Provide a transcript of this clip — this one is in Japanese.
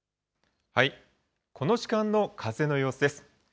この時間の風の様子です。